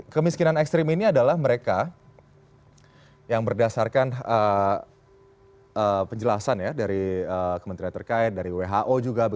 kemiskinan ekstrim ini adalah mereka yang berdasarkan penjelasan ya dari kementerian terkait dari who juga